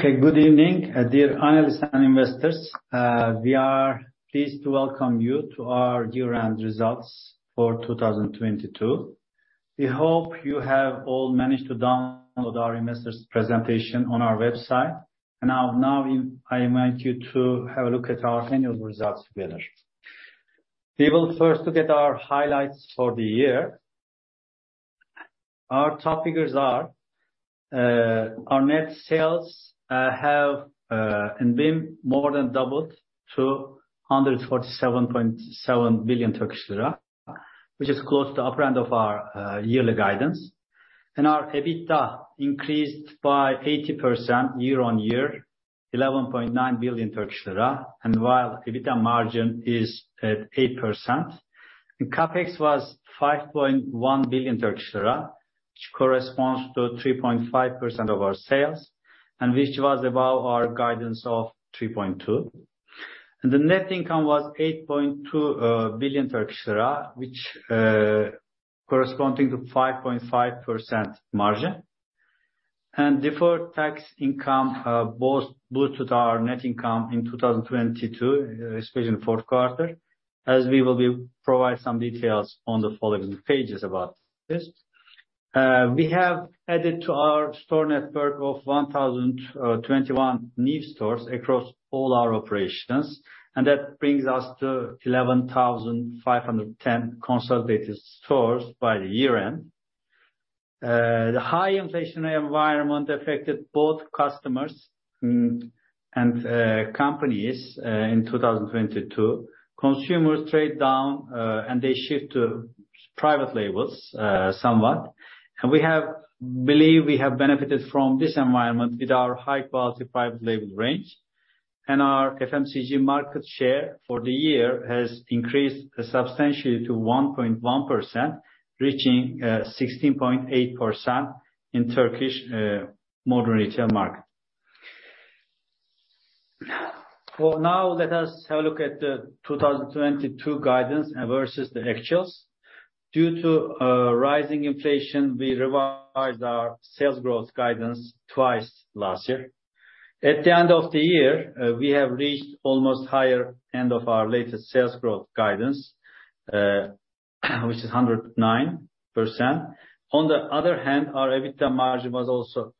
Okay. Good evening, dear analysts and investors. We are pleased to welcome you to our year-end results for 2022. We hope you have all managed to download our investors presentation on our website. Now I invite you to have a look at our annual results together. We will first look at our highlights for the year. Our top figures are, our net sales have been more than doubled to 147.7 billion Turkish lira, which is close to upper end of our yearly guidance. Our EBITDA increased by 80% year-on-year, 11.9 billion Turkish lira. While EBITDA margin is at 8%. CapEx was 5.1 billion Turkish lira, which corresponds to 3.5% of our sales, which was above our guidance of 3.2%. The net income was 8.2 billion Turkish lira, which corresponding to 5.5% margin. Deferred tax income both boosted our net income in 2022, especially in fourth quarter, as we will be provide some details on the following pages about this. We have added to our store network of 1,021 new stores across all our operations, that brings us to 11,510 consolidated stores by the year end. The high inflationary environment affected both customers and companies in 2022. Consumers trade down, and they shift to private labels somewhat. We have believe we have benefited from this environment with our high quality private label range. Our FMCG market share for the year has increased substantially to 1.1%, reaching 16.8% in Turkish modern retail market. For now, let us have a look at the 2022 guidance versus the actuals. Due to rising inflation, we revised our sales growth guidance twice last year. At the end of the year, we have reached almost higher end of our latest sales growth guidance, which is 109%. On the other hand, our EBITDA margin was also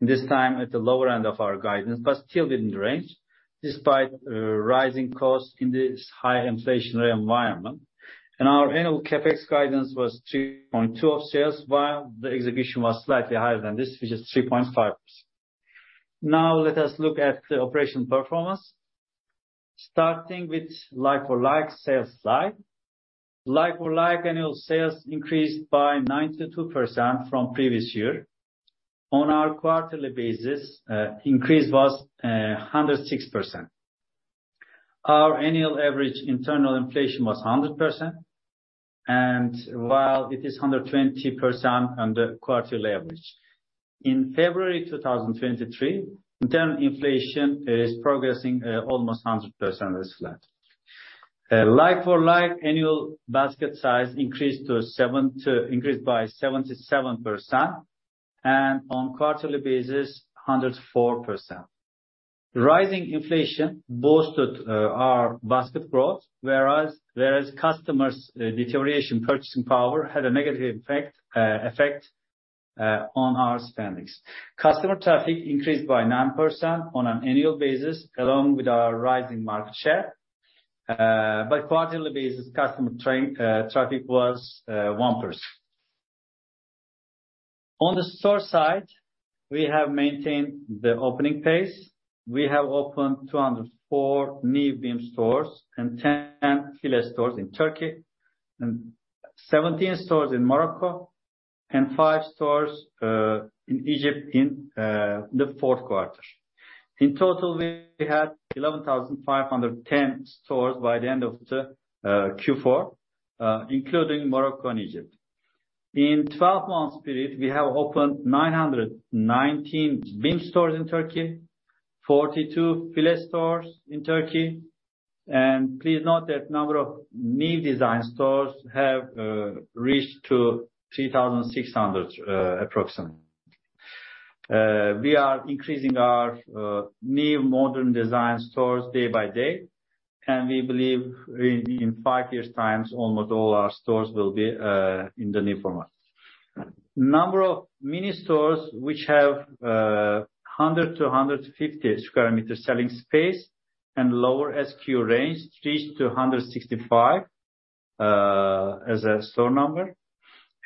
this time at the lower end of our guidance, but still within range despite rising costs in this high inflationary environment. Our annual CapEx guidance was 2.2% of sales, while the execution was slightly higher than this, which is 3.5%. Now let us look at the operational performance. Starting with like-for-like sales slide. Like-for-like annual sales increased by 92% from previous year. On a quarterly basis, increase was 106%. Our annual average internal inflation was 100%, while it is 120% on the quarterly average. In February 2023, internal inflation is progressing almost 100% this flat. Like-for-like annual basket size increased by 77%, on quarterly basis, 104%. Rising inflation boosted our basket growth, whereas customers deterioration purchasing power had a negative effect on our spendings. Customer traffic increased by 9% on an annual basis, along with our rising market share. Quarterly basis customer traffic was 1%. On the store side, we have maintained the opening pace. We have opened 204 new BIM stores and 10 File stores in Turkey, and 17 stores in Morocco, and 5 stores in Egypt in the fourth quarter. In total, we had 11,510 stores by the end of the Q4, including Morocco and Egypt. In 12 months period, we have opened 919 BIM stores in Turkey, 42 File stores in Turkey. Please note that number of new design stores have reached to 3,600 approximately. We are increasing our new modern design stores day by day, and we believe in 5 years times, almost all our stores will be in the new format. Number of mini stores which have 100-150 square meter selling space and lower SKU range, reached to 165 as a store number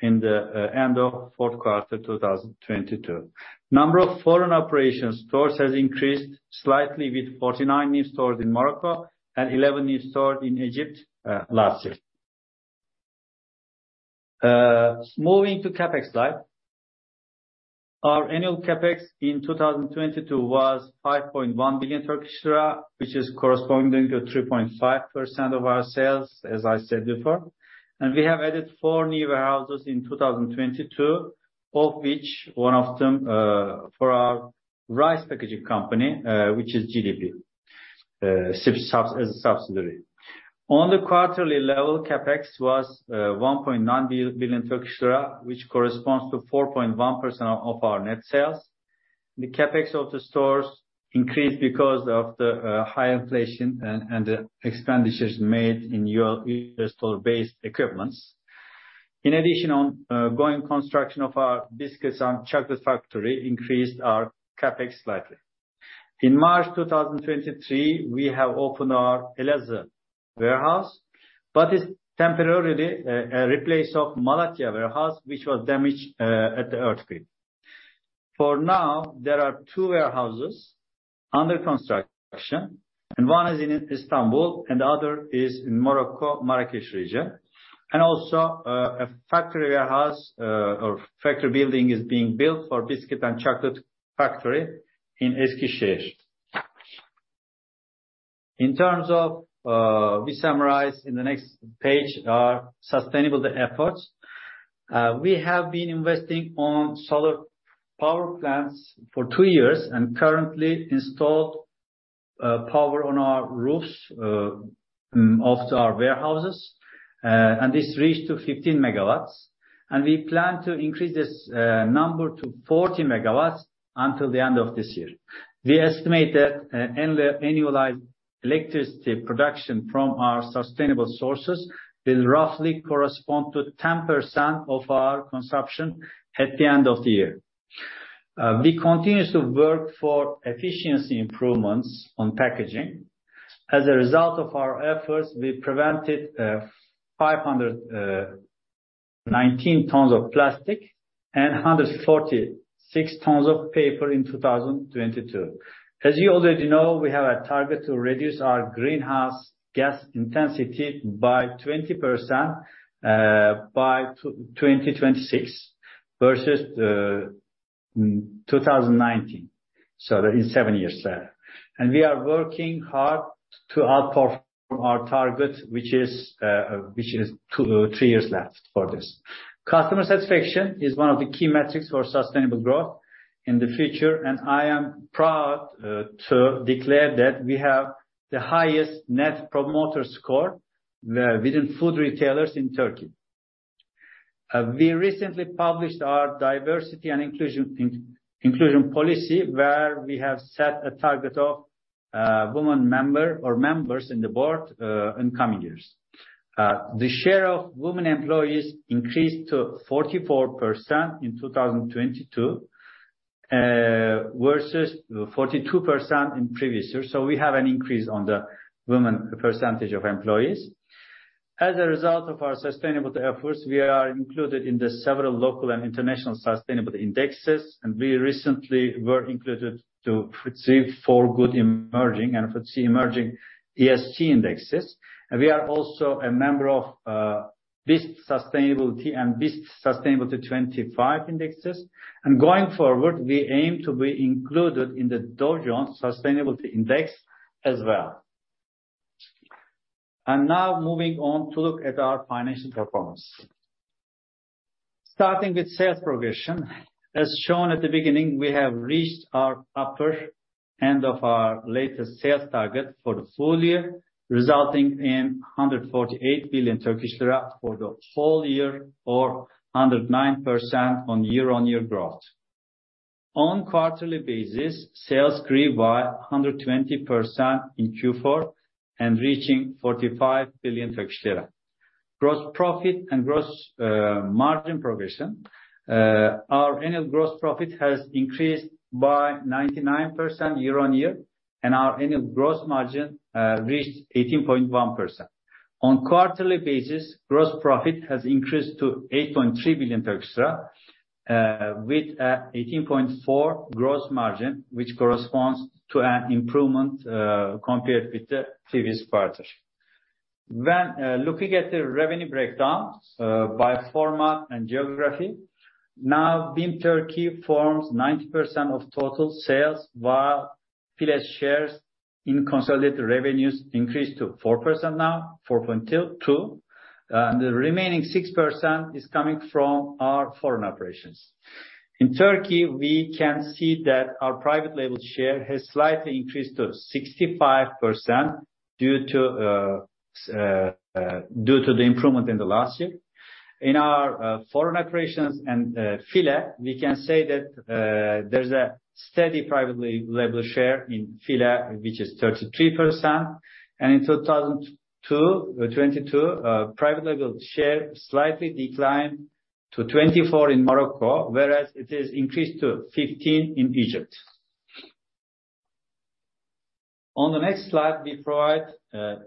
in the end of fourth quarter 2022. Number of foreign operations stores has increased slightly with 49 new stores in Morocco and 11 new stores in Egypt last year. Moving to CapEx slide. Our annual CapEx in 2022 was 5.1 billion Turkish lira, which is corresponding to 3.5% of our sales, as I said before. We have added 4 new warehouses in 2022, all of which one of them, for our rice packaging company, which is GDP as a subsidiary. On the quarterly level, CapEx was 1.9 billion Turkish lira, which corresponds to 4.1% of our net sales. The CapEx of the stores increased because of the high inflation and the expenditures made in your store-based equipments. In addition, ongoing construction of our biscuits and chocolate factory increased our CapEx slightly. In March 2023, we have opened our Elazığ warehouse, but it's temporarily a replace of Malatya warehouse, which was damaged at the earthquake. For now, there are 2 warehouses under construction, and one is in Istanbul, and the other is in Morocco, Marrakech region. A factory warehouse or factory building is being built for biscuit and chocolate factory in Eskişehir. In terms of, we summarize in the next page our sustainable efforts. We have been investing on solar power plants for 2 years and currently installed power on our roofs of our warehouses. This reached to 15 MW, and we plan to increase this number to 40 MW until the end of this year. We estimate that annualized electricity production from our sustainable sources will roughly correspond to 10% of our consumption at the end of the year. We continue to work for efficiency improvements on packaging. As a result of our efforts, we prevented 519 tons of plastic and 146 tons of paper in 2022. As you already know, we have a target to reduce our greenhouse gas intensity by 20% by 2026 versus 2019. That is 7 years. We are working hard to outperform our target, which is 3 years left for this. Customer satisfaction is one of the key metrics for sustainable growth in the future, and I am proud to declare that we have the highest Net Promoter Score within food retailers in Turkey. We recently published our diversity and inclusion policy, where we have set a target of woman member or members in the board in coming years. The share of woman employees increased to 44% in 2022 versus 42% in previous years. We have an increase on the woman percentage of employees. As a result of our sustainable efforts, we are included in the several local and international sustainable indexes. We recently were included to FTSE4Good emerging and FTSE Emerging ESG indexes. We are also a member of BIST Sustainability and BIST Sustainability 25 indexes. Going forward, we aim to be included in the Dow Jones Sustainability Index as well. Now moving on to look at our financial performance. Starting with sales progression. As shown at the beginning, we have reached our upper end of our latest sales target for the full year, resulting in 148 billion Turkish lira for the whole year or 109% on year-on-year growth. On quarterly basis, sales grew by 120% in Q4, reaching 45 billion Turkish lira. Gross profit and gross margin progression. Our annual gross profit has increased by 99% year-on-year, and our annual gross margin reached 18.1%. On quarterly basis, gross profit has increased to 8.3 billion with an 18.4% gross margin, which corresponds to an improvement compared with the previous quarter. When looking at the revenue breakdown by format and geography, BIM Turkey forms 90% of total sales, while File shares in consolidated revenues increase to 4% now, 4.2%. The remaining 6% is coming from our foreign operations. In Turkey, we can see that our private label share has slightly increased to 65% due to the improvement in the last year. In our foreign operations and File, we can say that there's a steady private label share in File, which is 33%. In 2022, private label share slightly declined to 24% in Morocco, whereas it is increased to 15% in Egypt. On the next slide, we provide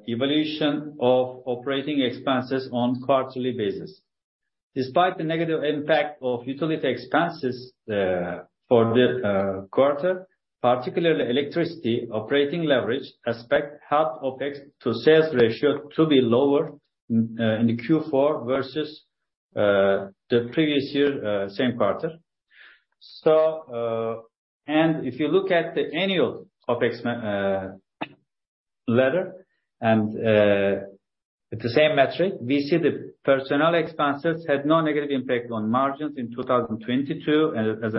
evolution of operating expenses on quarterly basis. Despite the negative impact of utility expenses for the quarter, particularly electricity operating leverage aspect helped OpEx to sales ratio to be lower in the Q4 versus the previous year, same quarter. If you look at the annual OpEx letter and the same metric, we see the personnel expenses had no negative impact on margins in 2022 as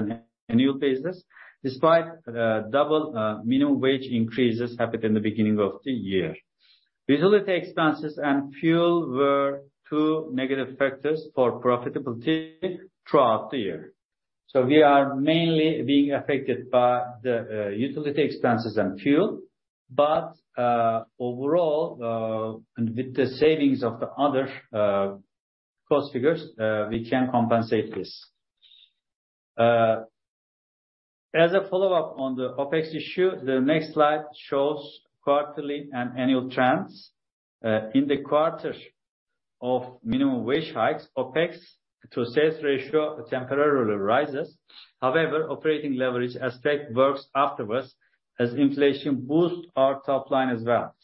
an annual basis, despite the double minimum wage increases happened in the beginning of the year. Utility expenses and fuel were two negative factors for profitability throughout the year. We are mainly being affected by the utility expenses and fuel. Overall, with the savings of the other cost figures, we can compensate this. As a follow-up on the OpEx issue, the next slide shows quarterly and annual trends. In the quarter of minimum wage hikes, OpEx to sales ratio temporarily rises. However, operating leverage aspect works afterwards as inflation boosts our top line as well.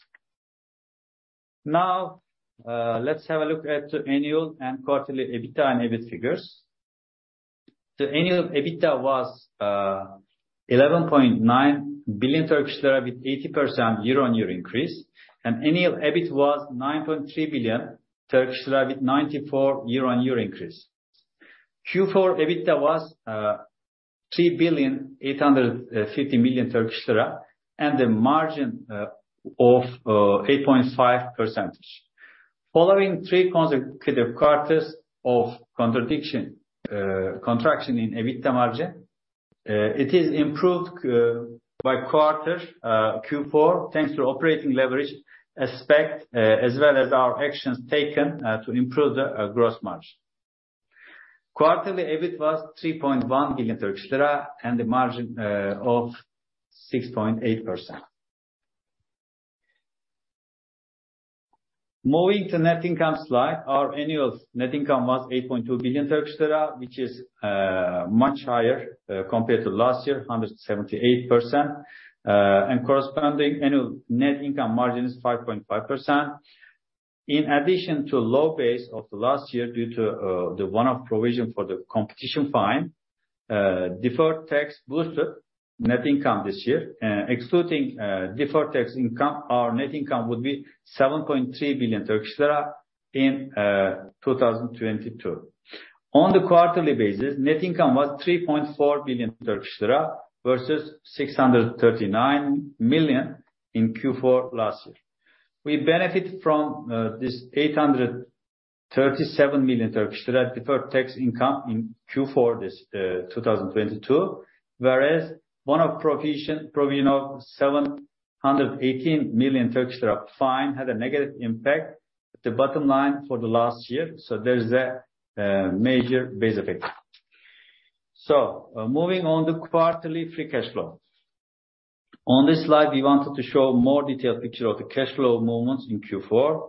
Let's have a look at the annual and quarterly EBITDA and EBIT figures. The annual EBITDA was 11.9 billion Turkish lira with 80% year-on-year increase. Annual EBIT was 9.3 billion Turkish lira with 94% year-on-year increase. Q4 EBITDA was 3.85 billion and the margin of 8.5%. Following three consecutive quarters of contraction in EBITDA margin, it is improved by quarter, Q4, thanks to operating leverage aspect, as well as our actions taken to improve the gross margin. Quarterly EBIT was 3.1 billion Turkish lira and the margin of 6.8%. Moving to net income slide. Our annual net income was 8.2 billion Turkish lira, which is much higher compared to last year, 178%. Corresponding annual net income margin is 5.5%. In addition to low base of the last year due to the one-off provision for the competition fine, deferred tax boosted net income this year. Excluding deferred tax income, our net income would be 7.3 billion Turkish lira in 2022. On the quarterly basis, net income was 3.4 billion Turkish lira versus 639 million in Q4 last year. We benefit from this 837 million Turkish lira deferred tax income in Q4 2022. Whereas one of provision, you know, 718 million Turkish lira fine had a negative impact at the bottom line for the last year. There's that major base effect. Moving on to quarterly free cash flow. On this slide, we wanted to show a more detailed picture of the cash flow movements in Q4.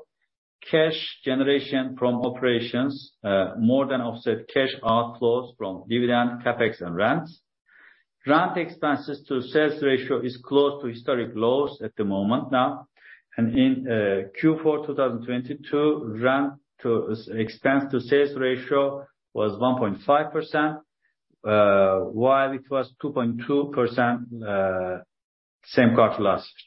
Cash generation from operations more than offset cash outflows from dividend, CapEx and rents. Rent expenses to sales ratio is close to historic lows at the moment now. In Q4 2022, rent to expense to sales ratio was 1.5%, while it was 2.2% same quarter last year.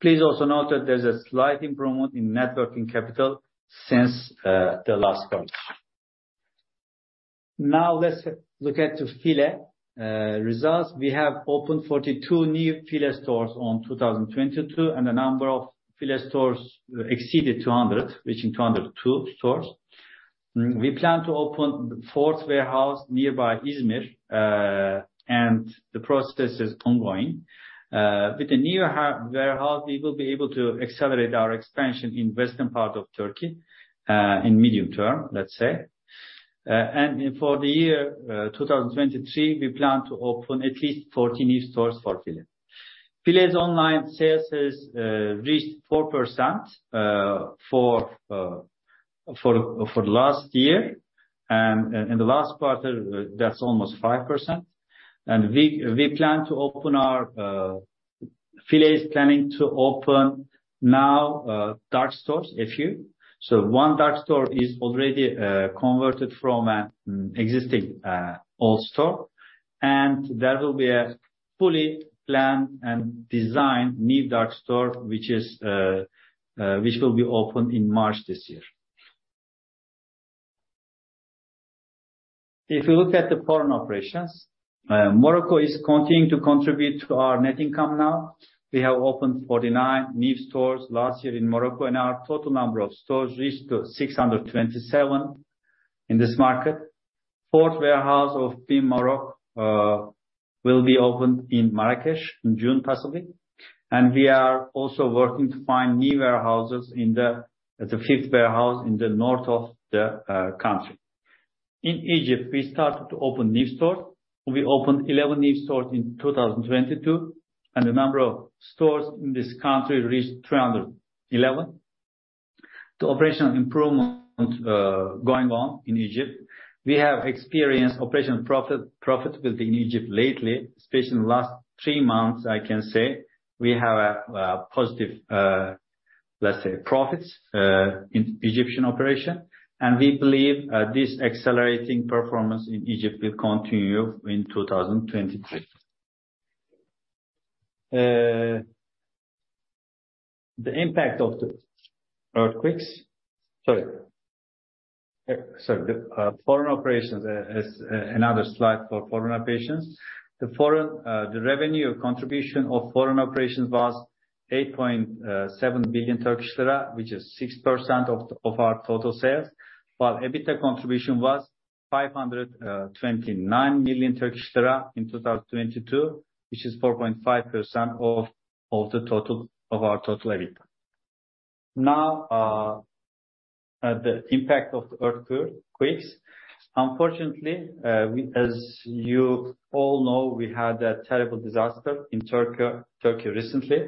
Please also note that there's a slight improvement in net working capital since the last quarter. Let's look at the File results. We have opened 42 new File stores on 2022, and the number of File stores exceeded 200, reaching 202 stores. We plan to open the fourth warehouse nearby Izmir, and the process is ongoing. With the new warehouse, we will be able to accelerate our expansion in western part of Turkey, in medium term, let's say. For the year 2023, we plan to open at least 40 new stores for File. File's online sales has reached 4% for the last year. The last quarter, that's almost 5%. File is planning to open now dark stores, a few. One dark store is already converted from an existing old store, and there will be a fully planned and designed new dark store, which will be opened in March this year. If you look at the foreign operations, Morocco is continuing to contribute to our net income now. We have opened 49 new stores last year in Morocco, and our total number of stores reached to 627 in this market. 4th warehouse of BIM Morocco will be opened in Marrakech in June, possibly. We are also working to find new warehouses, the 5th warehouse in the north of the country. In Egypt, we started to open new stores. We opened 11 new stores in 2022, and the number of stores in this country reached 211. The operational improvement going on in Egypt, we have experienced operational profitability in Egypt lately, especially in the last three months, I can say, we have a positive, let's say, profits in Egyptian operation. We believe this accelerating performance in Egypt will continue in 2023. The impact of the earthquakes. Sorry. The foreign operations is another slide for foreign operations. The foreign revenue contribution of foreign operations was 8.7 billion Turkish lira, which is 6% of our total sales. While EBITDA contribution was 529 million Turkish lira in 2022, which is 4.5% of our total EBITDA. Now, the impact of the earthquakes. Unfortunately, we... As you all know, we had a terrible disaster in Turkey recently.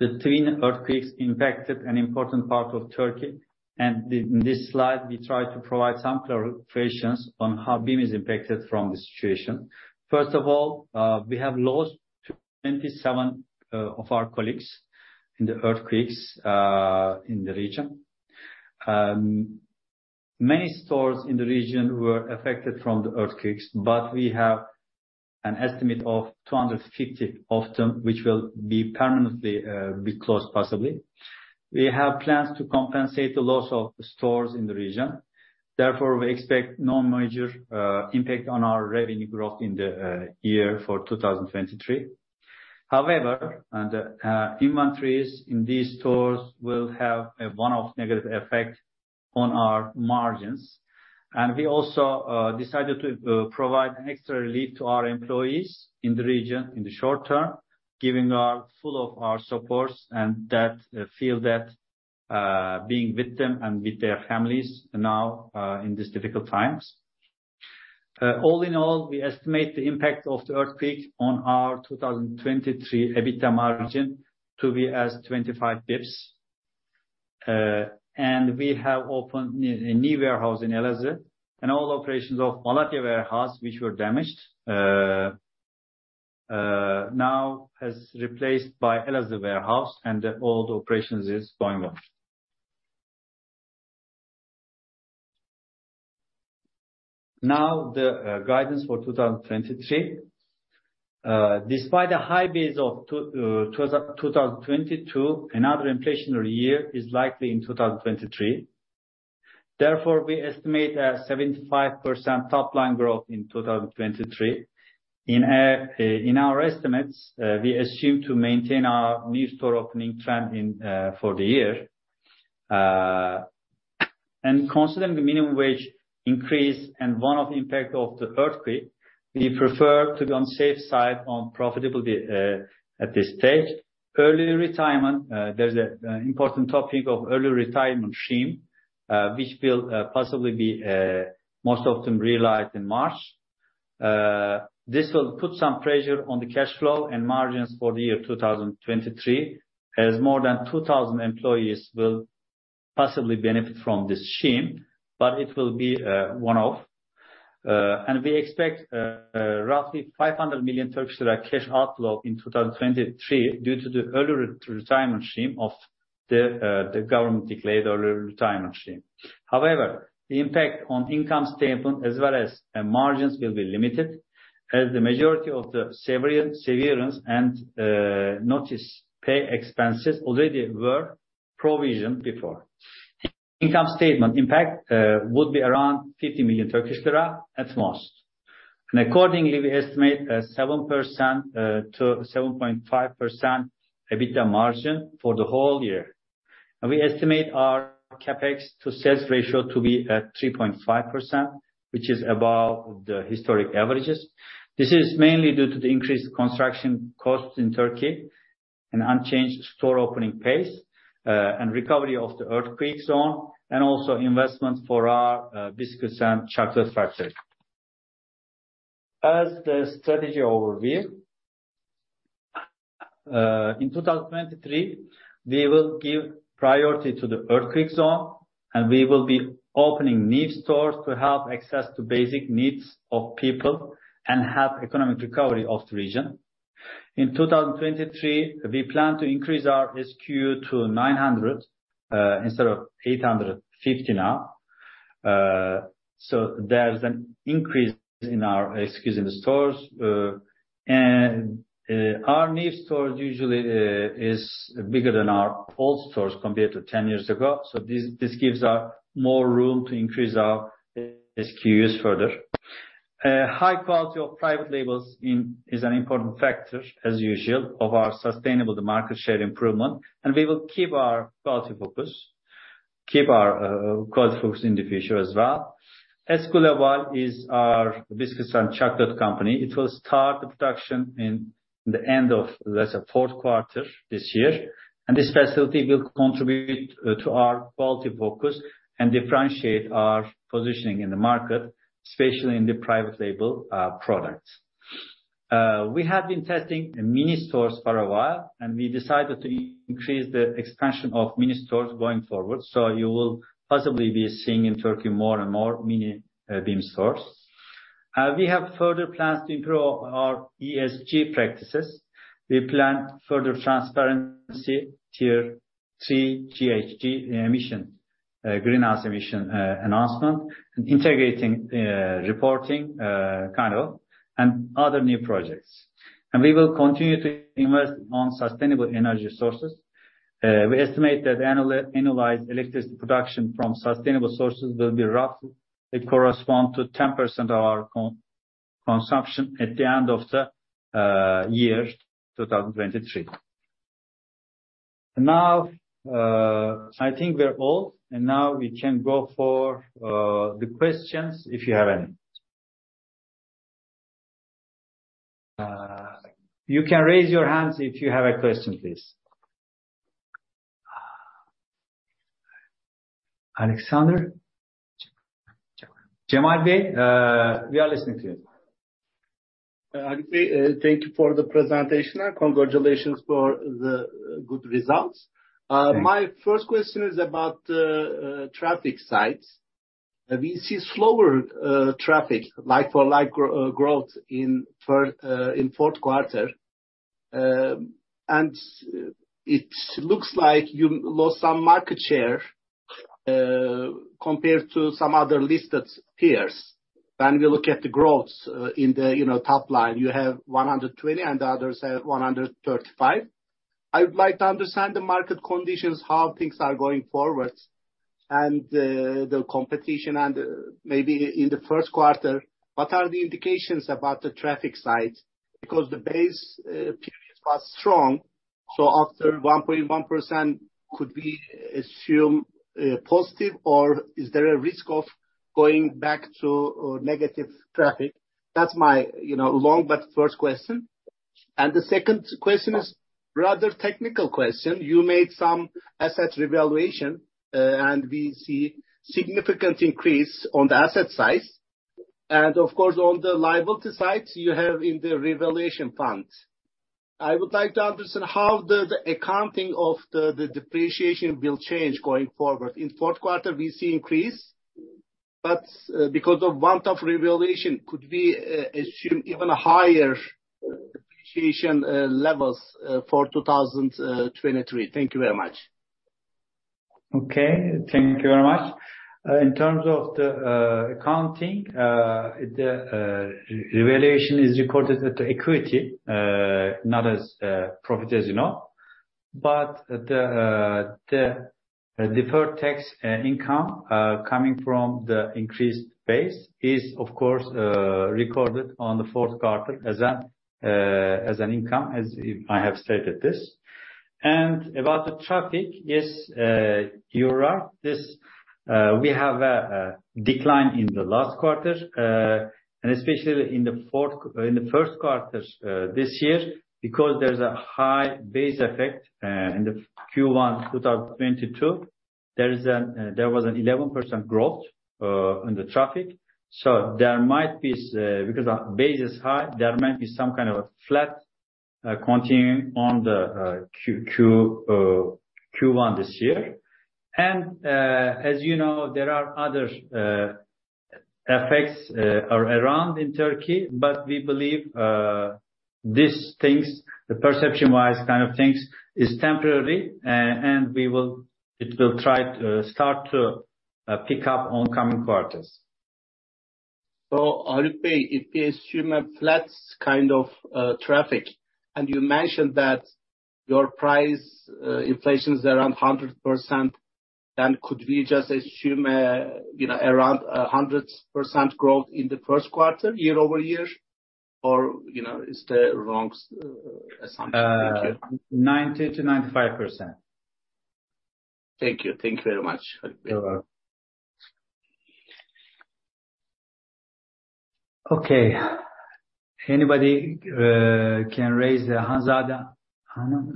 The twin earthquakes impacted an important part of Turkey. In this slide, we try to provide some clarifications on how BIM is impacted from the situation. First of all, we have lost 27 of our colleagues in the earthquakes in the region. Many stores in the region were affected from the earthquakes, we have an estimate of 250 of them, which will be permanently be closed possibly. We have plans to compensate the loss of stores in the region. Therefore, we expect no major impact on our revenue growth in the year for 2023. However, inventories in these stores will have a one-off negative effect on our margins. We also decided to provide an extra relief to our employees in the region in the short term, giving our full of our supports and that feel that being with them and with their families now in these difficult times. All in all, we estimate the impact of the earthquake on our 2023 EBITDA margin to be 25 bps. We have opened a new warehouse in Elazig and all operations of Malatya warehouse which were damaged, now has replaced by Elazig warehouse, and all the operations is going well. Now, the guidance for 2023. Despite the high base of 2022, another inflationary year is likely in 2023. Therefore, we estimate a 75% top-line growth in 2023. In our estimates, we assume to maintain our new store opening trend in for the year. Considering the minimum wage increase and one-off impact of the earthquake, we prefer to be on safe side on profitability at this stage. Early retirement, there's an important topic of early retirement scheme, which will possibly be most often realized in March. This will put some pressure on the cash flow and margins for the year 2023, as more than 2,000 employees will possibly benefit from this scheme, but it will be one-off. We expect roughly 500 million Turkish lira cash outflow in 2023, due to the early re-retirement scheme of the government-declared early retirement scheme. However, the impact on income statement as well as margins will be limited, as the majority of the severance and notice pay expenses already were provisioned before. Income statement impact would be around 50 million Turkish lira at most. Accordingly, we estimate a 7%-7.5% EBITDA margin for the whole year. We estimate our CapEx to sales ratio to be at 3.5%, which is above the historic averages. This is mainly due to the increased construction costs in Turkey and unchanged store opening pace, and recovery of the earthquake zone, and also investment for our biscuits and chocolate factories. As the strategy overview, in 2023, we will give priority to the earthquake zone, and we will be opening new stores to have access to basic needs of people and have economic recovery of the region. In 2023, we plan to increase our SKU to 900, instead of 850 now. There's an increase in our SKUs in the stores. Our new stores usually is bigger than our old stores compared to 10 years ago. This gives us more room to increase our SKUs further. High quality of private labels is an important factor as usual of our sustainable market share improvement, and we will keep our quality focus, keep our quality focus in the future as well. Esqube is our biscuits and chocolate company. It will start production in the end of, let's say, fourth quarter this year. This facility will contribute to our quality focus and differentiate our positioning in the market, especially in the private label products. We have been testing mini stores for a while, and we decided to increase the expansion of mini stores going forward. You will possibly be seeing in Turkey more and more mini Bim stores. We have further plans to improve our ESG practices. We plan further transparency, tier three GHG emission, greenhouse emission enhancement, integrating reporting kind of, and other new projects. We will continue to invest on sustainable energy sources. We estimate that analyzed electricity production from sustainable sources will be roughly correspond to 10% of our consumption at the end of the year 2023. Now, I think we're all. Now we can go for the questions, if you have any. You can raise your hands if you have a question, please. Alexander? Cemal? Cemal Bey, we are listening to you. Thank you for the presentation. Congratulations for the good results. Thank you. My first question is about the traffic sites. We see slower traffic like-for-like growth in third, in fourth quarter. It looks like you lost some market share compared to some other listed peers. When we look at the growth, in the, you know, top line, you have 120%, and the others have 135%. I would like to understand the market conditions, how things are going forward and the competition and maybe in the first quarter, what are the indications about the traffic side? Because the base periods was strong, so after 1.1%, could we assume positive or is there a risk of going back to negative traffic? That's my, you know, long but first question. The second question is rather technical question. You made some asset revaluation, and we see significant increase on the asset side. Of course, on the liability side, you have in the revaluation fund. I would like to understand how the accounting of the depreciation will change going forward. In fourth quarter we see increase, but because of one-time revaluation, could we assume even higher appreciation levels for 2023? Thank you very much. Okay. Thank you very much. In terms of the accounting, the revaluation is recorded at the equity, not as profit as you know, but the deferred tax and income coming from the increased base is, of course, recorded on the fourth quarter as an income, as I have stated this. About the traffic, yes, we have a decline in the last quarter, and especially in the first quarter this year, because there's a high base effect in the Q1 2022. There was an 11% growth on the traffic. There might be, because our base is high, there might be some kind of a flat, continuing on the Q-Q, Q1 this year. As you know, there are other effects around in Turkey. We believe, these things, the perception-wise kind of things, is temporary. It will try to start to pick up on coming quarters. Haluk Dortluoğlu if we assume a flat kind of, traffic, and you mentioned that your price, inflation is around 100%, then could we just assume, you know, around 100% growth in the first quarter year-over-year or, you know, is that wrong, assumption? Thank you. Uh, ninety to ninety-five percent. Thank you. Thank you very much, Haluk Dortluoğlu. You're welcome. Okay. Anybody can raise. Hanzade Aksu.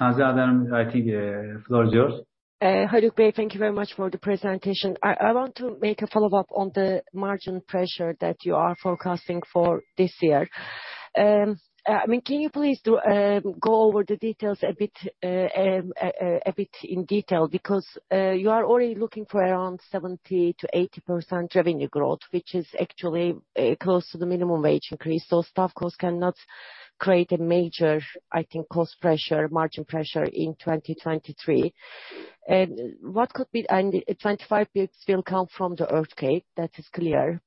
Hanzade Aksu, I think, floor is yours. Haluk Dortluoğlu, thank you very much for the presentation. I want to make a follow-up on the margin pressure that you are forecasting for this year. I mean, can you please go over the details a bit, a bit in detail? Because you are only looking for around 70%-80% revenue growth, which is actually, close to the minimum wage increase. Those staff costs cannot create a major, I think, cost pressure, margin pressure in 2023. What could be... 25 basis points will come from the earthquake, that is clear.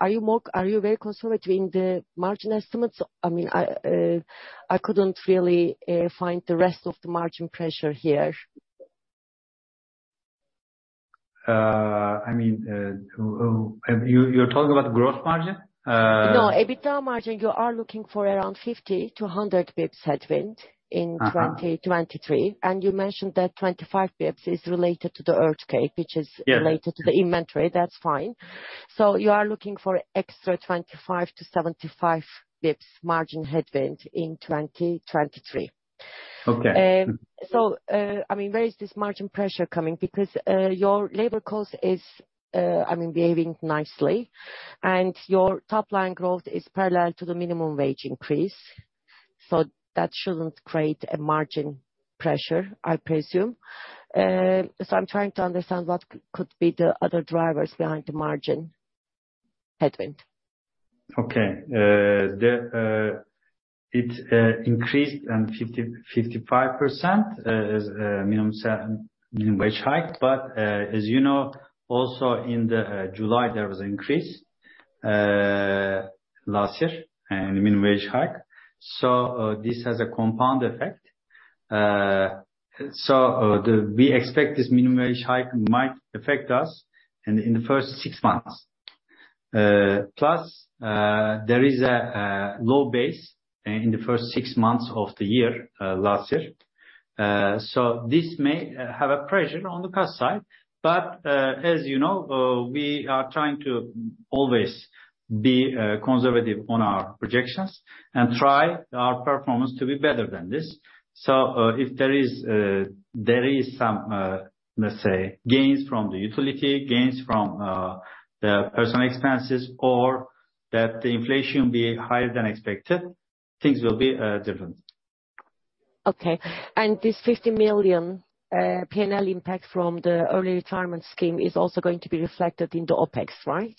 Are you very conservative in the margin estimates? I mean, I couldn't really find the rest of the margin pressure here. I mean, you're talking about gross margin? No, EBITDA margin. You are looking for around 50-100 BPS headwind in 2023. Uh-huh. You mentioned that 25 BPS is related to the earthquake, which is. Yeah. to the inventory. That's fine. You are looking for extra 25-75 basis points margin headwind in 2023. Okay. I mean, where is this margin pressure coming? Because your labor cost is, I mean, behaving nicely and your top line growth is parallel to the minimum wage increase. That shouldn't create a margin pressure, I presume. I'm trying to understand what could be the other drivers behind the margin headwind. Okay. It increased, and 50%, 55%, as minimum wage hike. As you know, also in July, there was an increase last year in minimum wage hike. This has a compound effect. We expect this minimum wage hike might affect us in the first six months. Plus, there is a low base in the first six months of the year last year. This may have a pressure on the cost side, but, as you know, we are trying to always be conservative on our projections and try our performance to be better than this. If there is, there is some, let's say gains from the utility, gains from the personal expenses or that the inflation will be higher than expected, things will be different. Okay. This 50 million P&L impact from the early retirement scheme is also going to be reflected in the OpEx, right?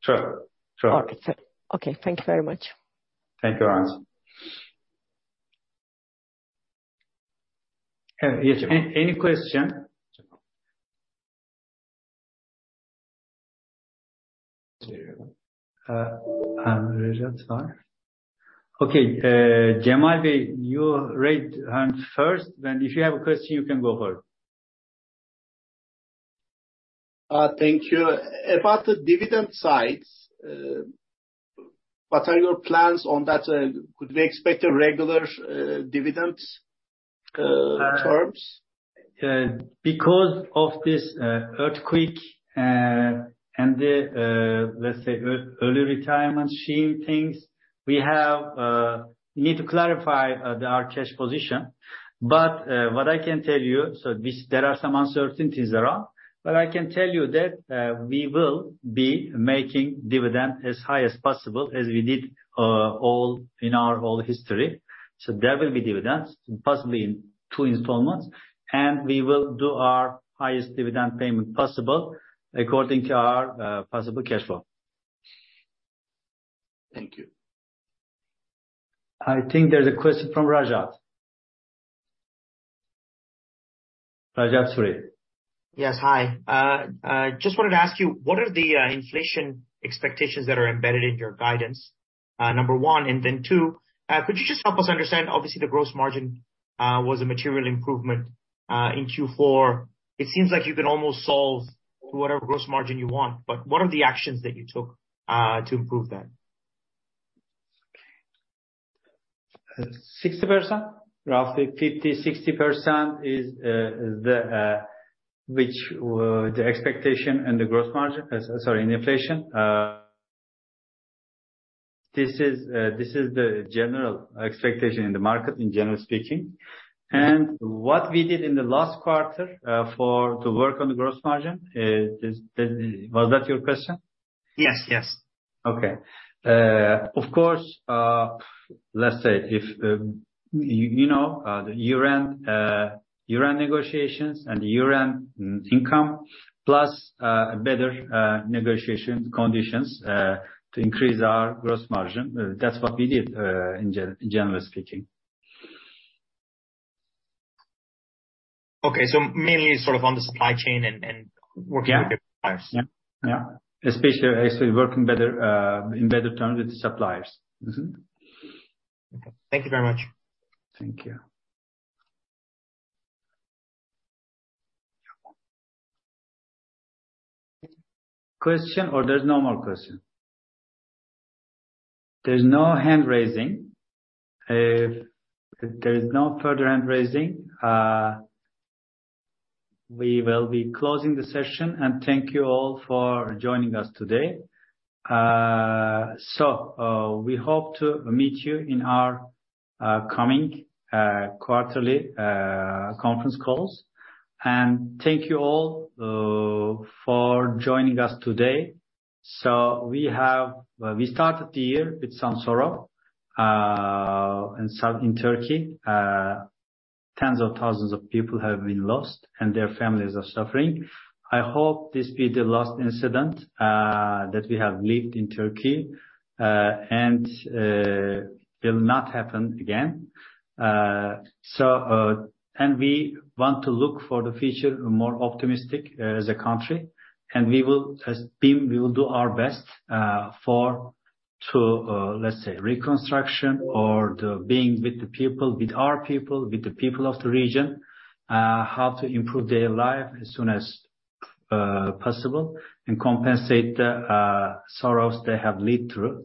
Sure. Sure. Okay. Thank you very much. Thank you. Any question? Okay. Cemal, You rate, first, then if you have a question, you can go ahead. Thank you. About the dividend sides, what are your plans on that? Could we expect a regular dividend terms? Because of this earthquake and the let's say early retirement scheme things, we have we need to clarify our cash position. What I can tell you, there are some uncertainties around, but I can tell you that we will be making dividend as high as possible as we did all in our whole history. There will be dividends, possibly in 2 installments, and we will do our highest dividend payment possible according to our possible cash flow. Thank you. I think there's a question from Rajat. Rajat Suri. Yes. Hi. I just wanted to ask you, what are the inflation expectations that are embedded in your guidance, number 1. 2, could you just help us understand, obviously, the gross margin was a material improvement in Q4. It seems like you can almost solve whatever gross margin you want, but what are the actions that you took to improve that? 60%. Roughly 50%, 60% is the expectation and the gross margin. Sorry, in inflation. This is the general expectation in the market, in general speaking. What we did in the last quarter for the work on the gross margin Was that your question? Yes. Yes. Okay. Of course, let's say if, you know, the year-end, year-end negotiations and the year-end income, plus, better, negotiation conditions, to increase our gross margin, that's what we did, in general speaking. Okay. Mainly sort of on the supply chain and working with the suppliers. Yeah. Especially actually working better in better terms with the suppliers. Mm-hmm. Okay. Thank you very much. Thank you. Question or there's no more question? There's no hand raising. If there is no further hand raising, we will be closing the session. Thank you all for joining us today. We hope to meet you in our coming quarterly conference calls. Thank you all, for joining us today. We started the year with some sorrow in Turkey. Tens of thousands of people have been lost and their families are suffering. I hope this be the last incident that we have lived in Turkey and will not happen again. We want to look for the future more optimistic as a country, and we will, as BIM, we will do our best for, to, let's say, reconstruction or the being with the people, with our people, with the people of the region, how to improve their life as soon as possible and compensate the sorrows they have lived through.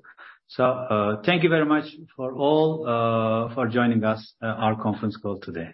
Thank you very much for all, for joining us, our conference call today.